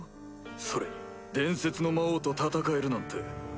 それに伝説の魔王と戦えるなんて。